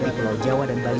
di pulau jawa dan bali